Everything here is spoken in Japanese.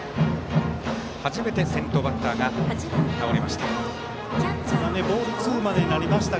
初めて先頭バッターが倒れました。